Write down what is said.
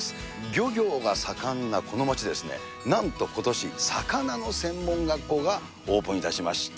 漁業が盛んなこの町で、なんとことし、魚の専門学校がオープンいたしました。